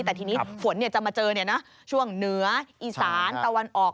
แต่ทีนี้ฝนจะมาเจอช่วงเหนืออีสานตะวันออก